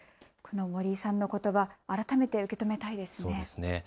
森井さんのことば、改めて受け止めたいですね。